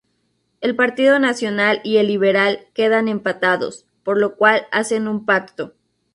El Partido Nacional y el Liberal quedan empatados, por lo cual hacen un pacto.